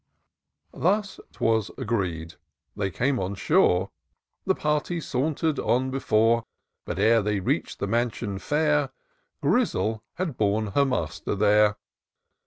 Thua *twas agreed ; they came on shore^ The party saunter'd on before ; But, ere they reach'd the mansion fair. Grizzle had borne her master there.